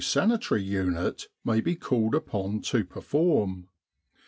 Sanitary unit may be called upon to perform.